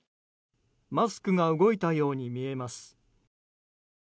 マスクが動いたように見えます。